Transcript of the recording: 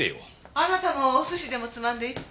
あなたもお寿司でもつまんで１杯？